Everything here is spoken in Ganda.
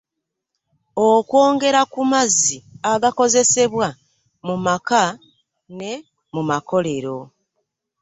Okwongera ku mazzi agakozesebwa mu maka ne mu makolero.